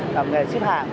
làm nghề ship hàng